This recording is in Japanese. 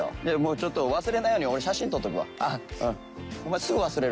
じゃあちょっと忘れないように俺写真撮っておくわ。